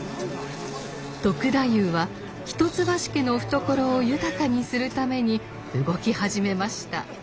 篤太夫は一橋家の懐を豊かにするために動き始めました。